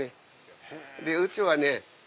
うちはね。